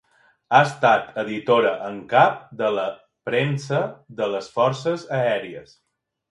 Ha estat editora en cap de la Premsa de les Forces Aèries.